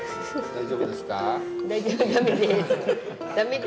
大丈夫ですか？